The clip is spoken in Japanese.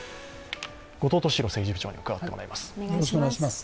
後藤俊広政治部長に伺ってまいります。